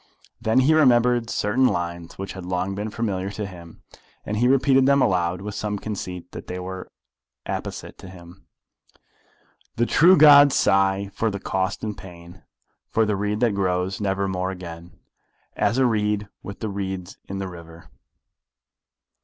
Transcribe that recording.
Then he remembered certain lines which had long been familiar to him, and he repeated them aloud, with some conceit that they were apposite to him: The true gods sigh for the cost and pain, For the reed that grows never more again As a reed with the reeds in the river.